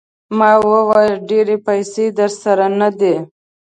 ما وویل ډېرې پیسې درسره نه دي.